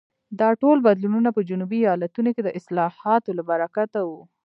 دا ټول بدلونونه په جنوبي ایالتونو کې د اصلاحاتو له برکته وو.